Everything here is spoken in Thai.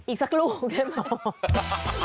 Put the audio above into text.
อีกสักรูปได้หมด